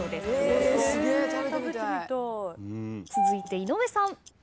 続いて井上さん。